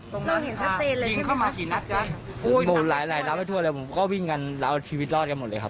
ตรงนั้นยิงเข้ามากี่นัดจ๊ะบอกหลายหลายรับให้ทั่วเลยผมก็วิ่งกันแล้วชีวิตรอดกันหมดเลยครับ